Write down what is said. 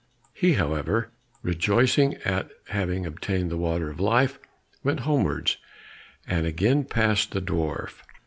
He, however, rejoicing at having obtained the water of life, went homewards, and again passed the dwarf.